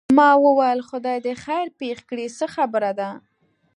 ما وویل خدای دې خیر پېښ کړي څه خبره ده.